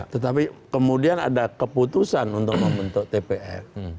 tetapi kemudian ada keputusan untuk membentuk tpf